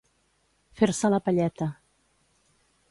Fer-se la palleta.